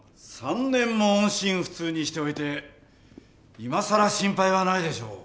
３年も音信不通にしておいて今更心配はないでしょう。